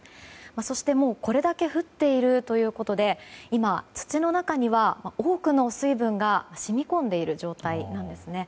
そしてこれだけ降っているということで今、土の中には多くの水分が染み込んでいる状態なんですね。